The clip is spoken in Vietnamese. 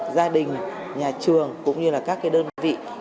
gia đình nhà trường cũng như là các đơn vị